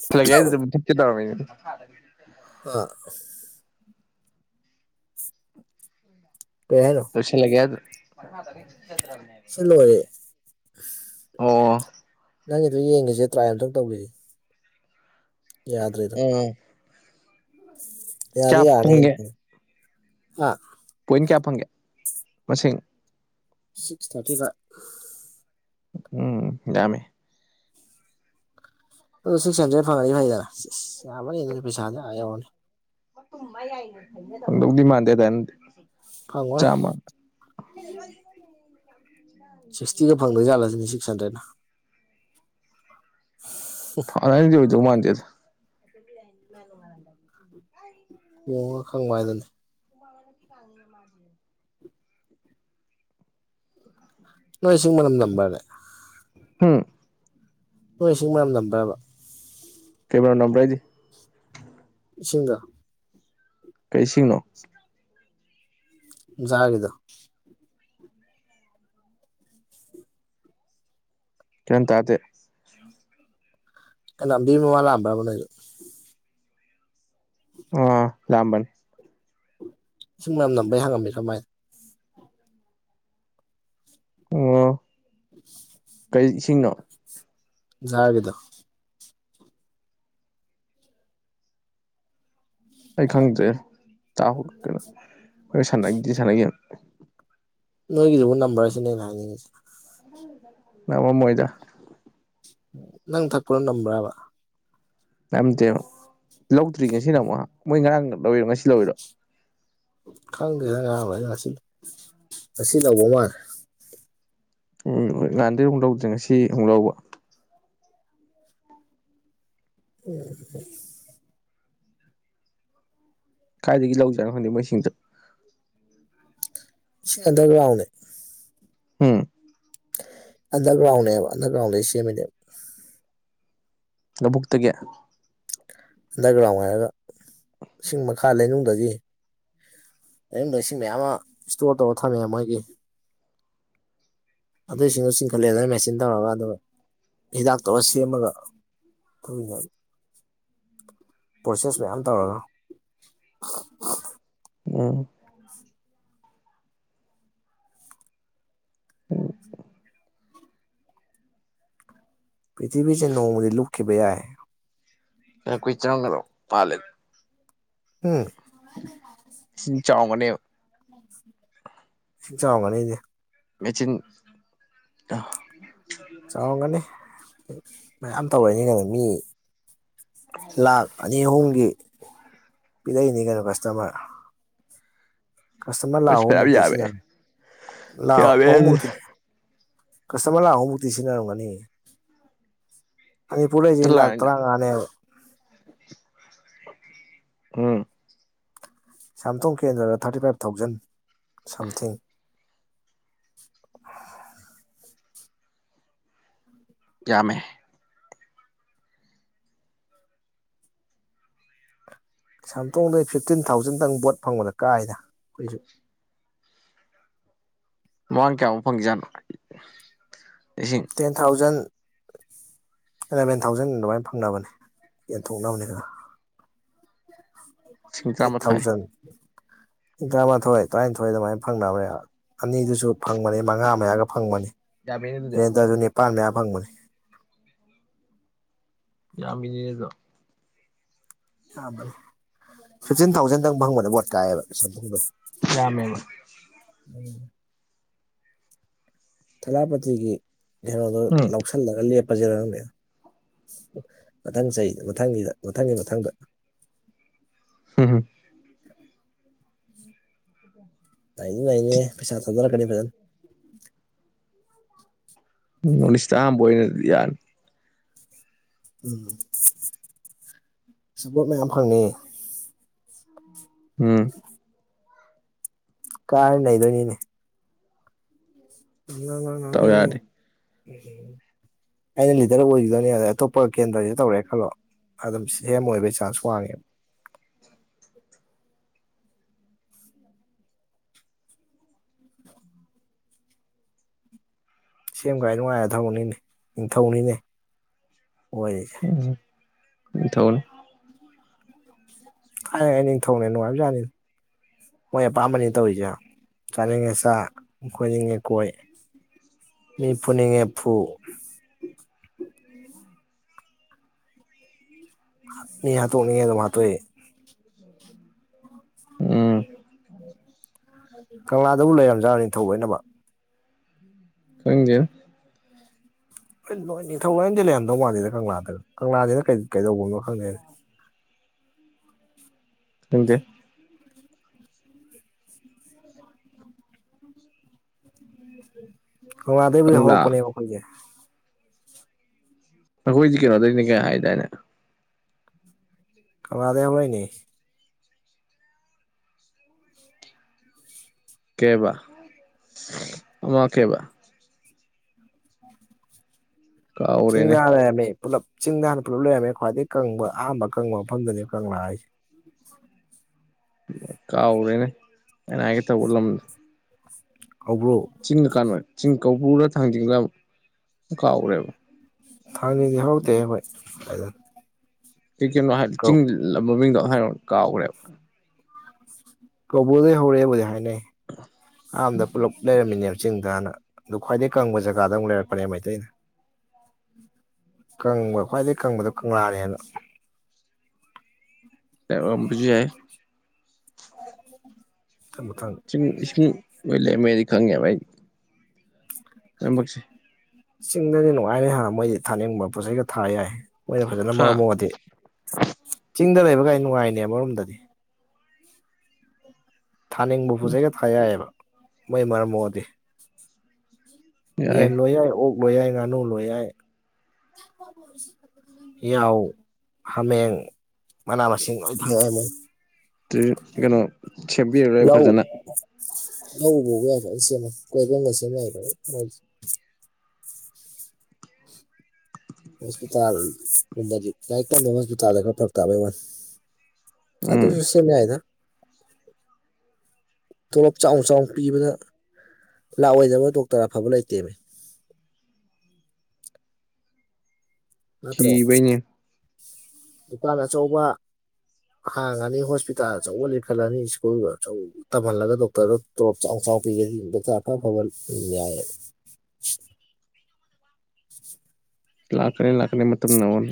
ꯃꯨꯊꯠꯂꯒꯦ ꯍꯥꯏꯗꯨꯗ ꯃꯨꯊꯠꯀꯦ ꯇꯧꯔꯝꯃꯤꯅꯤ ꯑ ꯑꯁ ꯀꯩ ꯍꯥꯢꯅꯣ ꯂꫭꯏꯁꯤꯜꯂꯒꯦ ꯍꯥꯏꯗꯨ ꯃꯈꯥ ꯆꯠꯅꯤꯡ ꯆꯠꯇꯔꯥꯅꯦ ꯁꯤꯜ ꯂꯣꯏꯔꯦ ꯑꯣ ꯅꯪꯒꯤꯗꯣ ꯌꯦꯡꯒꯤꯖꯦ ꯇ꯭ꯔꯥꯏ ꯑꯝꯇꯪ ꯇꯧꯒꯤꯖꯤ ꯌꯥꯗ꯭ꯔꯤꯗꯣ ꯎꯝ ꯌꯥꯗꯤ ꯀꯌꯥ ꯌꯥꯔꯅꯤ ꯐꯪꯒꯦ [unintelligible] ꯍꯥ ꯄꯣꯏꯟ ꯀꯌꯥ ꯐꯪꯒꯦ ꯃꯁꯤꯡ ꯁꯤꯛꯁ ꯊꯥꯔꯇꯤ ꯐꯥꯏꯚ ꯎꯝ ꯌꯥꯝꯃꯦ ꯑꯗꯨ ꯁꯤꯛꯁ ꯍꯟꯗ꯭ꯔꯦ ꯐꯪꯉꯗꯤ ꯐꯩꯗꯅ ꯁꯤꯁ ꯌꯥꯝꯃꯅꯤ ꯑꯗꯨꯒꯤ ꯄꯩꯁꯥꯗꯤ ꯑꯥ ꯌꯧꯔꯅꯤ ꯁꯨꯝ ꯃꯌꯥꯏꯗ [unintelligible] ꯐꯪꯗꯧꯗꯤ ꯃꯥꯟꯗꯦ ꯑꯗꯥꯏꯅꯗꯤ ꯐꯪꯉꯣꯢ ꯆꯥꯝꯃ ꯁꯤꯛꯁꯇꯤꯒ ꯐꯪꯗꯣꯏ ꯖꯥꯠꯂꯁꯤꯅꯤ ꯁꯤꯛꯁ ꯍꯟꯗ꯭ꯔꯦꯗꯅ [inaudible] ꯑ ꯑꯗꯥꯏꯅꯗꯤ ꯑꯣꯢꯗꯧ ꯃꯥꯥꯟꯗꯦꯗ ꯌꯦꯡꯉꯥ ꯈꯪꯕ ꯍꯥꯏꯗꯨꯅꯤ ꯉꯁꯤ ꯀꯥꯡꯒ ꯃꯥꯟꯗꯦ ꯅꯣꯏ ꯏꯁꯤꯡ ꯃꯅꯝ ꯅꯝꯕ꯭ꯔꯥꯅꯦ ꯍꯨꯝ ꯅꯣꯏ ꯏꯁꯤꯡ ꯃꯅꯝ ꯅꯝꯕ꯭ꯔꯥꯕ ꯀꯩ ꯃꯅꯝ ꯅꯝꯕ꯭ꯔꯥꯗꯤ ꯏꯁꯤꯡꯗꫭ ꯀꯩ ꯏꯁꯤꯡꯅꯣ ꯏꯟꯖꯥꯒꯤꯗꯣ ꯒ꯭ꯌꯥꯟ ꯇꯥꯗꯦ ꯀꯂꯝꯕꯤ ꯃꯋꯥ ꯂꯥꯛꯑꯝꯕ꯭ꯔꯥꯕ ꯅꯣꯢꯗ ꯑ ꯂꯥꯛꯑꯝꯕꯅꯦ ꯏꯁꯤꯡ ꯃꯅꯝ ꯅꯝꯕꯩ ꯍꯪꯉꯝꯃꯤꯔ ꯃꯥꯏ ꯑꫭ [inaudible] ꯀꯩ ꯏꯁꯤꯡꯅꯣ ꯖꯥꯔꯒꯤꯗꯣ ꯑꯩ ꯈꯪꯗ꯭ꯔꯦ ꯇꯥꯍꯧ ꯀꯩꯅꯣ ꯍꯣꯏ ꯁꯥꯟꯅꯗꯤ ꯁꯥꯟꯅꯒꯤꯝ ꯅꯣꯏꯒꯤꯗꯨꯕꯨ ꯅꯝꯕꯔꯁꯤꯅꯦ ꯑꯩꯅ ꯍꯥꯢꯅꯤꯡꯉꯤꯁꯦ ꯅꯝꯃꯝꯃꯣꯏꯗ ꯅꯪ ꯊꯛꯄ꯭ꯔꯥ ꯅꯝꯕ꯭ꯔꯥꯕ ꯅꯝꯗꯦꯕ ꯂꯧꯗ꯭ꯔꯤ ꯉꯁꯤꯅ ꯑꯃꯨꯛ ꯃꯣꯏ ꯉꯔꯥꯡ ꯂꯧꯔꯤꯔꯣ ꯉꯁꯤ ꯂꯧꯔꯤꯔꯣ ꯈꯪꯗꯦꯗ ꯉꯔꯥꯡ ꯂꯧꯔꯤꯔꯥ ꯉꯁꯤ ꯉꯁꯤ ꯂꯧꯕ ꯃꯥꯜꯂꯦ ꯎꯝ ꯎꯝ ꯅꯍꯥꯟꯗꯩ ꯑꯃꯨꯛ ꯂꯧꯗ꯭ꯔꯦ ꯉꯁꯤ ꯑꯃꯨꯛ ꯂꯧꯕ [inaudible] ꯀꯥꯏꯗꯒꯤ ꯂꯧ ꯖꯥꯠꯅꯣ ꯈꯪꯗꯦ ꯃꯣꯏꯁꯤꯡꯖꯨ [inaudible] ꯁꯤ ꯑꯟꯗꯔꯒꯔꯥꯎꯟꯅꯦ ꯎꯝ ꯑꯟꯗꯔꯒ꯭ꯔꯥꯎꯟꯅꯦꯕ ꯑꯟꯗꯔꯒ꯭ꯔꯥꯎꯟꯗꯩ ꯁꯦꯝꯃꯤꯅꯦꯕ ꯂꯕꯨꯨꯛꯇꯒꯤ ꯑꯟꯗꯔꯒ꯭ꯔꯥꯎꯟ ꯍꯥꯏꯔꯒ ꯏꯁꯤꯡ ꯃꯈꯥ ꯂꯩꯅꯨꯡꯗꯒꯤ ꯂꯩꯅꯨꯡꯗ ꯏꯁꯤꯡ ꯃꯌꯥꯝ ꯑꯃ ꯏꯁꯇꯣꯔ ꯇꯧꯔ ꯊꯝꯃꯦ ꯃꯣꯏꯒꯤ ꯑꯗꯨꯏꯁꯤꯡꯗꯣ ꯆꯤꯡꯈꯠꯂꯦꯗꯅ ꯃꯦꯆꯤꯟ ꯇꯧꯔꯒ ꯑꯗꯨꯒ ꯍꯤꯗꯥꯛꯇꯧꯔ ꯁꯦꯝꯃꯒ ꯄ꯭ꯔꯣꯁꯦꯁ ꯃꯌꯥꯝ ꯇꯧꯔꯒ ꯎꯝ ꯄ꯭ꯔꯤꯊꯤꯕꯤꯁꯦ ꯅꯣꯡꯃꯗꯤ ꯂꯨꯞꯈꯤꯕ ꯌꯥꯏ [unintelligible] ꯎꯝ ꯏꯁꯤꯡ ꯆꯥꯎꯔꯝꯒꯅꯦꯕ [inaudible] ꯏꯁꯤꯡ ꯆꯥꯎꯔꯝꯒꯅꯦꯗꯤ ꯃꯦꯆꯤꯟ ꯆꯥꯎꯔꯝꯒꯅꯤ ꯃꯌꯥꯝ ꯇꯧꯔꯛꯏꯅ ꯃꯤ ꯂꯥꯛ ꯑꯅꯤ ꯑꯍꯨꯝꯒꯤ ꯄꯤꯔꯛ ꯏꯅꯤ ꯀꯩꯅꯣ ꯀꯁꯇꯃꯔ ꯀꯁꯇꯃꯔ ꯂꯥꯛ ꯑꯍꯨꯝ ꯐꯅꯌꯥꯝ ꯌꯥꯝꯃꯦ ꯃꯨꯛꯇꯤꯁꯤꯅ ꯂꯥꯛ ꯑꯍꯨꯝ ꯌꯥꯝꯃꯦ ꯃꯨꯛꯇꯤ ꯀꯁꯇꯃꯔ ꯂꯥꯛ ꯑꯍꯨꯝ ꯃꯨꯛꯇꯤ ꯁꯤꯟꯅꯔꯝꯒꯅꯤ ꯃꯅꯤꯄꯨꯔ ꯂꯩꯖꯦ ꯂꯥꯛ ꯂꯥꯏꯟ ꯇꯔꯥꯉꯥꯅꯦꯕ ꯎꯝ ꯀꯩꯁꯥꯝꯊꯣꯡ ꯀꯦꯟꯗ꯭ꯔꯗ ꯊꯥꯔꯇꯤ ꯐꯥꯏꯚ ꯊꯥꯎꯖꯟ ꯁꯝꯊꯤꯡ ꯌꯥꯝꯃꯦ ꯀꯩꯁꯥꯝꯊꯣꯡꯗꯩ ꯐꯤꯐꯇꯤꯟ ꯊꯥꯎꯖꯟꯗꯪ ꯕꯣꯠ ꯐꯪꯕꯗ ꯀꯥꯏꯗ ꯑꯈꯣꯏꯁꯨ ꯃꯃꯥꯡ ꯀꯌꯥꯃꯨꯛ ꯐꯪꯖꯥꯠꯅꯣ ꯂꯤꯁꯤꯡ ꯇꯦꯟ ꯊꯥꯎꯖꯟ ꯑꯦꯂꯚꯦꯟ ꯊꯥꯎꯖꯟ ꯑꯗꯨꯃꯥꯏꯅ ꯐꯪꯅꯕꯅꯦ ꯌꯦꯟꯊꯣꯛꯅꯕꯅꯦꯅ ꯂꯤꯁꯤꯡ ꯑꯩꯠ ꯇꯔꯥꯃꯥꯊꯣꯏ ꯊꯥꯎꯖꯟ ꯇꯔꯥꯃꯥꯊꯣꯏ ꯇꯔꯥꯅꯤꯊꯣꯏ ꯑꯗꯨꯃꯥꯏꯅ ꯐꯪꯅꯕꯅꯦꯕ ꯑꯅꯤꯗꯨꯁꯨ ꯐꯪꯕꯅꯤ ꯃꯉꯥ ꯃꯌꯥꯒ ꯐꯪꯕꯅꯤ ꯔꯦꯟꯗꯔꯗꯨ ꯅꯤꯄꯥꯟ ꯃꯌꯥ ꯐꯪꯕꯅꯤ ꯌꯥꯝꯃꯤꯅꯤꯅꯦꯗꯣ ꯐꯤꯐꯇꯤꯟ ꯊꯥꯎꯖꯟꯗꯪ ꯐꯪꯕꯗ ꯕꯣꯠ ꯀꯥꯏꯌꯦꯕ ꯌꯥꯝꯃꯦꯕ ꯊꯦꯂꯄꯥꯇꯤꯒꯤ ꯀꯩꯅꯣꯗꯣ ꯎꯝ ꯂꯧꯁꯜꯂꯒ ꯂꯦꯞꯄꯁꯤꯔ ꯈꯪꯗꯦ ꯃꯊꯪ ꯆꯍꯤꯗ ꯃꯊꯪꯒꯤꯗ ꯃꯊꯪꯒꯤ ꯃꯊꯪꯗ [unintelligible] ꯅꯩꯗꯤ ꯅꯩꯅꯤꯍꯦ ꯄꯩꯁꯥ ꯊꯗꯔꯛꯀꯅꯤ ꯐꯖꯅ ꯅꯣꯔꯠ꯭ ꯏꯁꯇꯥ ꯑꯍꯥꯟꯕ ꯑꯣꯏꯅ ꯌꯥꯅꯤ ꯁꯄꯣꯔꯠ ꯃꯌꯥꯝ ꯐꯪꯅꯤ ꯎꯝ ꯀꯥꯔꯗꯤ ꯅꯩꯗꯣꯏꯅꯤꯅꯦ ꯃꯤꯋꯥ ꯋꯥ ꯇꯧ ꯉꯥꯡꯉꯦ ꯌꯥꯔꯗꯤ ꯑꯩꯅ ꯂꯤꯗꯔ ꯑꯣꯏꯒꯤꯗꯣꯏꯅꯦ ꯑꯗ ꯑꯇꯣꯞꯄ ꯀꯦꯟꯗ꯭ꯔꯒꯤꯗ ꯇꯧꯔꯛꯑꯦ ꯈꯜꯂꯣ ꯑꯗꯨꯝ ꯁꯤ ꯑꯦꯝ ꯑꯣꯏꯕꯩ ꯆꯥꯟꯁ ꯋꯥꯡꯉꯦꯕ ꯁꯤꯑꯦꯝꯒꯥꯏꯅ ꯅꯨꯡꯉꯥꯏꯔ ꯊꯕꯛꯅꯤꯅꯦ ꯅꯤꯡꯊꯧꯅꯤꯅꯦ ꯑꯣꯏꯔꯤꯖꯦ ꯅꯤꯡꯊꯧꯅꯤ ꯊꯥꯏꯅꯉꯩ ꯅꯤꯡꯊꯧꯅ ꯍꯦꯟ ꯅꯨꯡꯉꯥꯏꯕꯖꯥꯠꯅꯤꯗ ꯃꯣꯏ ꯑꯄꯥꯝꯕꯅꯤ ꯇꯧꯔꯤꯖꯦ ꯍꯥ ꯆꯥꯅꯤꯡꯉꯦ ꯆꯥ ꯀꯣꯏꯅꯤꯡꯉꯦ ꯀꯣꯏ ꯃꯤ ꯐꯨꯅꯤꯡꯉꯦ ꯐꯨ ꯃꯤ ꯍꯥꯠꯇꯣꯛꯅꯤꯡꯉꯦ ꯑꯗꯨꯝ ꯍꯥꯠꯇꯣꯛꯏ ꯎꯝ ꯀꯪꯂꯥꯗꯕꯨ ꯂꯩꯔꯝꯖꯥꯠꯔ ꯅꯤꯡꯊꯧ ꯂꯣꯏꯅꯃꯛ ꯈꯪꯗꯦꯗꯥ ꯍꯣꯏ ꯂꯣꯏ ꯅꯤꯡꯊꯧ ꯂꯣꯏꯅꯗꯤ ꯂꯩꯔꯝꯗꯧ ꯃꯥꯟꯗꯦꯗ ꯀꯪꯂꯥꯗ ꯀꯪꯂꯥꯗꯅ ꯀꯩ ꯀꯩꯗꯧꯕꯝꯅꯣ ꯈꯪꯗꯦꯅꯦ ꯀꯪꯗꯦ ꯀꯪꯂꯥꯗꯩꯕꯨꯗꯤ ꯀꯪꯂꯥ ꯍꯧꯔꯛꯄꯅꯦꯕ ꯈꯣꯏꯖꯦ ꯑꯩꯈꯣꯏꯖꯤ ꯀꯩꯅꯣꯗꯩꯩꯅꯤ ꯀꯥꯏ ꯍꯥꯏꯗꯥꯏꯅꯦ ꯀꯪꯂꯥꯗꯩꯩ ꯍꯧꯔꯛꯏꯅꯦ ꯀꯩꯌꯦꯕꯥ ꯑꯃ ꯀꯩꯌꯦꯕꯥ ꯀꯥꯎꯔꯦꯅꯦ ꯆꯤꯡꯗ ꯍꯥꯟꯅ ꯂꯩꯔꯝꯃꯦ ꯄꯨꯂꯞ ꯆꯤꯡꯗꯥ ꯍꯥꯟꯅ ꯄꯨꯂꯞ ꯂꯩꯔꯝꯃꯦ ꯈ꯭ꯋꯥꯏꯗꯒꯤ ꯀꯪꯕ ꯑꯍꯥꯟꯕ ꯀꯪꯕ ꯃꯐꯝꯗꯅꯦ ꯀꯪꯂꯥ ꯍꯥꯏꯖꯦ ꯀꯥꯎꯒ꯭ꯔꯦꯅꯦ ꯑꯩꯅ ꯍꯥꯏꯒꯦ ꯇꯧꯕ ꯂꯝꯗꯣ ꯀꯧꯕ꯭ꯔꯨ ꯆꯤꯡꯗ ꯀꯥꯅꯣꯏ ꯆꯤꯡ ꯀꯧꯕ꯭ꯔꯨ ꯔ ꯊꯥꯡꯖꯤꯡꯔ ꯑꯝ ꯀꯥꯎꯒꯔ꯭ꯦꯕ ꯊꯥꯡꯅꯤꯡꯗꯤ ꯍꯧꯔꯛꯇꯦꯍꯦ ꯈꯣꯏ ꯀꯥꯏꯗꯩꯩꯅꯣ ꯀꯩ ꯀꯩꯅꯣ ꯍꯥꯏ ꯆꯤꯡ ꯂꯝ ꯃꯃꯤꯡꯗꯣ ꯍꯥꯏꯔꯛꯑꯣꯟ ꯀꯥꯎꯈ꯭ꯔꯦꯕ ꯀꯧꯕ꯭ꯔꯨꯗꯩꯩ ꯍꯧꯔꯛꯑꯦꯕꯨꯗꯤ ꯍꯥꯏꯅꯩ ꯑꯍꯥꯟꯕꯗ ꯄꯨꯂꯞ ꯂꯩꯔꯝꯃꯤꯅꯦꯕ ꯆꯤꯡꯗꯅ ꯑꯗꯨ ꯈ꯭ꯋꯥꯏꯗꯩꯩ ꯀꯪꯕꯥ ꯖꯒꯥꯗ ꯑꯃꯨꯛ ꯂꯩꯔꯛꯄꯅꯦ ꯃꯩꯇꯩꯅ ꯀꯪꯕ ꯈ꯭ꯋꯥꯏꯗꯩꯩ ꯀꯪꯕꯗꯣ ꯀꯪꯂꯥꯅꯦꯅ ꯌꯥꯎꯔꯝꯕꯖꯨ ꯌꯥꯏ ꯃꯊꯪ ꯃꯊꯪ ꯆꯤꯡ ꯏꯁꯤꯡ ꯂꯣꯏ ꯂꯩꯔꯝꯃꯦꯗꯤ ꯈꯪꯉꯦꯕ ꯑꯩ ꯂꯣꯏꯃꯛꯁꯦ ꯆꯤꯡꯗꯗꯤ ꯅꯨꯡꯉꯥꯏꯔꯦ ꯍꯥ ꯃꯣꯏꯗꯤ ꯊꯥꯅꯤꯡꯕ ꯄꯣꯠ ꯆꯩꯒ ꯊꯥ ꯌꯥꯏ ꯃꯣꯏꯅ ꯐꯖꯅ ꯍꯥ ꯃꯔꯝ ꯃꯣꯛꯑꯗꯤ ꯆꯤꯡꯗ ꯂꯩꯕꯒꯥꯏ ꯅꯨꯡꯉꯥꯏꯔꯤꯅꯦ ꯑꯃꯔꯣꯝꯗꯗꯤ ꯊꯥꯅꯤꯡꯕ ꯄꯣꯠ ꯆꯩꯒ ꯊꯥ ꯌꯥꯏꯌꯦꯕ ꯃꯣꯏ ꯃꯔꯝ ꯃꯣꯛꯑꯗꯤ ꯌꯦꯟ ꯂꯣꯏ ꯌꯥꯏ ꯑꯣꯛ ꯂꯣꯏ ꯌꯥꯏ ꯉꯥꯅꯨ ꯂꯣꯏ ꯌꯥꯏ ꯌꯥꯎ ꯍꯥꯃꯦꯡ ꯃꯅꯥ ꯃꯁꯤꯡ ꯂꯣꯏ ꯊꯥ ꯌꯥꯅꯤ ꯇ꯭ꯔꯤ ꯒꯩꯅꯣ ꯁꯦꯝꯕꯤꯔꯔꯣꯏ ꯐꯖꯅ ꯂꯧ ꯎꯕꯕꯧ ꯌꯥꯏ ꯐꯖꯅ ꯁꯦꯝꯃ ꯀꯣꯏꯚꯝꯒ ꯁꯦꯝ ꯌꯥꯏꯕ ꯃꯣꯏꯖꯦ ꯍꯣꯁꯄꯤꯇꯥꯜ ꯀꯨꯝꯕꯗꯤ ꯂꯥꯏꯔꯤꯛ ꯇꯝꯕ ꯍꯣꯁꯄꯤꯇꯥꯜ ꯂꯩꯕ ꯐꯔꯛ ꯇꯥꯕꯩ ꯋꯥꯅꯤ ꯎꯝ ꯑꯗꯨꯖꯨ ꯁꯦꯝ ꯌꯥꯏꯗ ꯇꯣꯂꯣꯞ ꯆꯥꯎꯟ ꯆꯥꯎꯟ ꯄꯤꯕꯗ ꯂꯥꯛꯑꯣꯏꯗꯕ ꯗꯣꯛꯇꯔ ꯑꯐꯕ ꯂꯩꯇꯦꯃꯤ ꯅꯠꯇ꯭ꯔꯣ ꯀꯤꯕꯩꯅꯦ ꯗꯨꯀꯥꯟ ꯑꯆꯧꯕ ꯍꯥꯡꯉꯅꯤ ꯍꯣꯁꯄꯤꯇꯥꯜ ꯑꯆꯧꯕ ꯂꯤꯡꯈꯠꯂꯅꯤ ꯁ꯭ꯀꯨꯜ ꯑꯆꯧ ꯇꯝꯍꯜꯂꯒ ꯗꯣꯛꯇꯔꯗꯣ ꯇꯣꯂꯣꯞ ꯆꯥꯎ ꯆꯥꯎꯅ ꯄꯤꯒꯦꯗꯤ ꯗꯣꯛꯇꯔ ꯑꯐ ꯑꯐꯕ ꯌꯥꯏꯌꯦꯕ ꯂꯥꯛꯀꯅꯤ ꯂꯥꯛꯀꯅꯤ ꯃꯇꯝ ꯅꯧꯅꯤ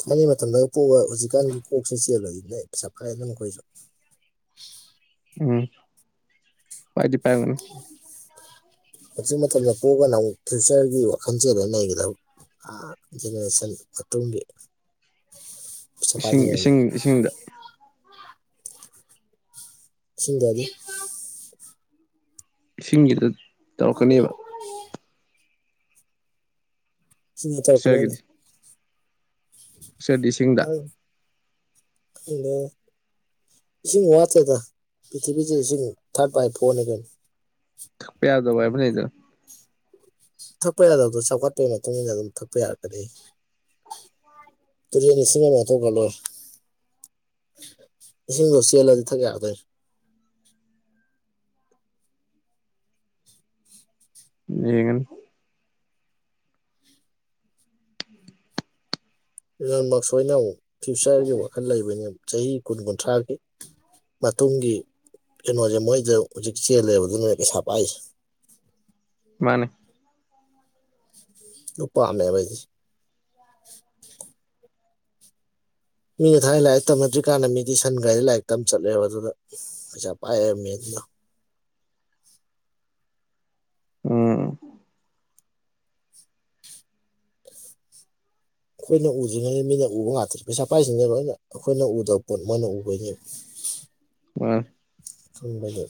ꯊꯥꯏꯅꯩ ꯃꯇꯝꯗꯒ ꯄꯣꯛꯑꯒ ꯍꯧꯖꯤꯛꯀꯥꯟꯒꯤ ꯀꯣꯛꯁꯦ ꯆꯦꯜꯂꯗꯤꯅꯦ ꯄꯩꯁꯥ ꯄꯥꯏꯒꯗꯝꯅꯤ ꯈꯣꯏꯖꯨ ꯎꯝ ꯄꯥꯏꯗꯤ ꯄꯥꯏꯔꯝꯒꯅꯤ [inaudible] ꯍꯧꯖꯤꯛ ꯃꯇꯝꯗ ꯄꯣꯛꯑꯒꯅ ꯑꯃꯨꯛ ꯐ꯭ꯌꯨꯆꯔꯒꯤ ꯋꯥꯈꯜ ꯆꯦꯜꯂꯒ ꯂꯩꯒꯗꯕ ꯑꯥ ꯖꯦꯅꯦꯔꯦꯁꯟ ꯃꯇꯨꯡꯒꯤ ꯁꯐꯥꯏ ꯏꯁꯤꯡ ꯏꯁꯤꯡ ꯖꯦꯅꯦꯔꯦꯁꯟ ꯏꯁꯤꯡꯗ ꯏꯁꯤꯡꯗꯥꯗꯤ ꯏꯁꯤꯡꯒꯤꯗꯨ ꯇꯧꯔꯛꯀꯅꯤꯕ ꯏꯁꯤꯡꯒꯤ ꯇꯧꯔꯛꯀꯅꯤ ꯐꯤꯛꯆꯔꯒꯤꯗꯤ ꯁꯦꯗ ꯏꯁꯤꯡꯗ ꯍꯂꯣ ꯏꯁꯤꯡ ꯋꯥꯠꯇꯦꯗ ꯄ꯭ꯔꯤꯊꯤꯕꯤꯁꯤꯗ ꯏꯁꯤꯡ ꯊꯥꯔ꯭ꯗ ꯕꯥꯏ ꯐꯣꯔꯅꯤ ꯀꯩꯅꯣ ꯊꯛꯄ ꯌꯥꯗꯕꯥꯥ ꯍꯥꯏꯕ ꯂꯩꯗꯅ ꯊꯛꯄ ꯌꯥꯗꯕꯗꯣ ꯆꯥꯎꯈꯠꯄꯩ ꯃꯇꯨꯡ ꯏꯟꯅ ꯑꯗꯨꯝ ꯊꯛꯄ ꯌꯥꯔꯛꯀꯅꯤ ꯇꯔꯦꯜ ꯏꯁꯤꯡꯅ ꯂꯥꯟꯊꯣꯛꯈ꯭ꯔ ꯂꯣꯢꯔꯦ ꯏꯁꯤꯡꯗꯨ ꯆꯦꯜꯂꯗꯤ ꯊꯛ ꯌꯥꯗꯣꯏꯟ ꯌꯦꯡꯒꯅꯤ ꯂꯦꯟ ꯃꯥꯛ ꯁꯨꯋꯥꯏꯅ ꯑꯃꯨꯛ ꯐ꯭ꯌꯨꯆꯔꯒꯤ ꯋꯥꯈꯜ ꯂꯩꯕꯩꯅꯤ ꯆꯍꯤ ꯀꯨꯟ ꯀꯨꯟꯊ꯭ꯔꯥꯒꯤ ꯃꯇꯨꯡꯒꯤ ꯀꯩꯅꯣꯁꯦ ꯃꯣꯏꯗ ꯍꯧꯖꯤꯛ ꯆꯦꯜꯂꯦꯕ ꯑꯗꯨꯅꯅꯦ ꯄꯩꯁꯥ ꯄꯥꯏꯁꯤ ꯃꯥꯅꯦ ꯑꯗꯨ ꯄꯥꯝꯃꯦꯕ ꯑꯩꯁꯤ ꯃꯤꯅ ꯊꯥꯏꯅ ꯂꯥꯏꯔꯤꯛ ꯇꯝꯅꯗ꯭ꯔꯤꯀꯥꯟꯗ ꯃꯤꯗꯤ ꯁꯟꯒꯥꯔꯤꯗ ꯂꯥꯏꯔꯤꯛ ꯇꯝ ꯆꯠꯂꯦꯕ ꯑꯗꯨꯗ ꯄꯩꯁꯥ ꯄꯥꯢꯔꯃꯤ ꯑꯗꯨꯗꯣ ꯎꯝ ꯑꯈꯣꯏꯅ ꯎꯗ꯭ꯔꯤꯉꯩ ꯃꯤꯅ ꯎꯕ ꯉꯥꯛꯇꯅꯤ ꯄꯩꯁꯥ ꯄꯥꯏꯁꯤꯡꯁꯤꯅ ꯂꯣꯏꯅ ꯑꯈꯣꯏꯅ ꯎꯗꯕ ꯄꯣꯠ ꯃꯣꯏꯅ ꯎꯕꯩꯅꯦꯕ ꯃꯥꯅꯦ ꯈꯪꯕꯗꯨ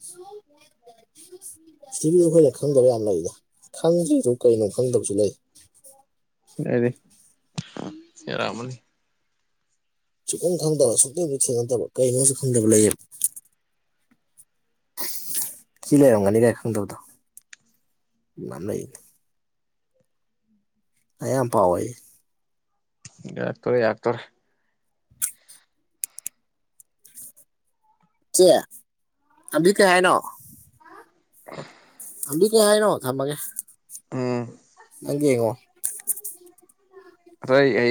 [unintelligible] ꯄ꯭ꯊꯤꯕꯤꯖꯦ ꯑꯈꯣꯏꯅ ꯈꯪꯗꯕ ꯌꯥꯝ ꯂꯩꯗ ꯈꯪꯗ꯭ꯔꯤꯗꯨ ꯀꯩꯅꯣ ꯈꯪꯗꯕꯁꯨ ꯂꯩ ꯑꯩꯗꯤ ꯑꯦꯔꯃꯅꯤ ꯁꯨꯛꯈꯪ ꯈꯪꯗꯕ ꯁꯨꯛꯊꯦꯡꯁꯨ ꯊꯦꯡꯅꯗꯕ ꯀꯩꯅꯣꯁꯨ ꯈꯪꯗꯕ ꯂꯩꯌꯦꯕ ꯊꯤ ꯂꯩꯔꯝꯒꯅꯤ ꯀꯩꯅꯣ ꯈꯪꯗꯕꯗꯣ ꯃꯥꯅꯩ ꯂꯥꯏꯛ ꯌꯥꯝ ꯄꯥꯎꯋꯣꯌꯦ ꯌꯥꯔꯛꯇꯣꯔꯦ ꯌꯥꯔꯛꯇꯣꯔꯦ ꯆꯦ ꯑꯝꯕꯤ ꯀꯩ ꯍꯥꯏꯅꯣ [inaudible] ꯑꯝꯕꯤ ꯀꯩ ꯍꯥꯏꯅꯣ ꯊꯝꯃꯒꯦ ꯅꯪꯒꯤ ꯌꯦꯡꯉꯣ ꯑꯗꯣ ꯑꯩ ꯑꯩ